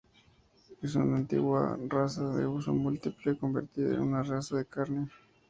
Es una antigua raza de uso múltiple, convertida en una raza de carne.